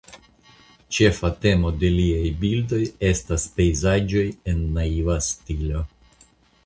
Ĉefa temo de liaj bildoj estas pejzaĝoj en naiva stilo.